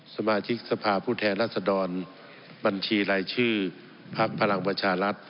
สมาชิกสภาพผู้แทนรัศดรบัญชีรายชื่อพักพลังประชารัฐ